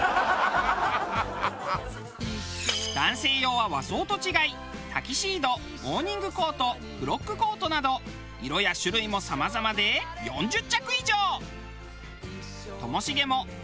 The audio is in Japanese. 男性用は和装と違いタキシードモーニングコートフロックコートなど色や種類もさまざまで４０着以上。